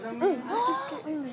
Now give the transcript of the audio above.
好き好き！